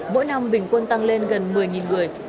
mỗi năm bình quân tăng lên gần một mươi người